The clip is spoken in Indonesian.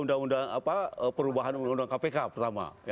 ada perubahan undang undang kpk pertama